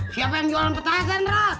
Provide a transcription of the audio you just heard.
siapa yang jualan petasan rok